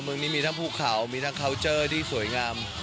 เมืองนี้มีทั้งภูเขามีทั้งเคาน์เจอร์ที่สวยงาม